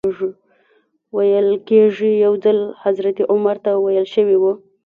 ویل کېږي یو ځل حضرت عمر ته ویل شوي و.